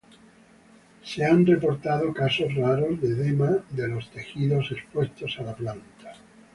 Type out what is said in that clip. Se han reportado casos raros de edema de los tejidos expuestos a la planta.